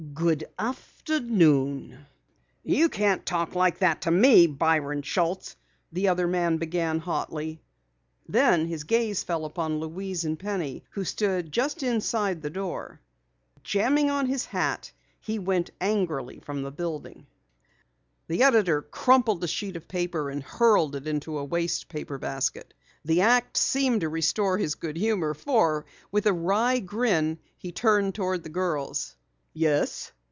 Good afternoon!" "You can't talk like that to me, Byron Schultz!" the other man began hotly. Then his gaze fell upon Louise and Penny who stood just inside the door. Jamming on his hat, he went angrily from the building. The editor crumpled a sheet of paper and hurled it into a waste basket. The act seemed to restore his good humor, for with a wry grin he then turned toward the girls. "Yes?"